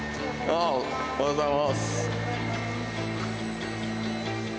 ああおはようございます。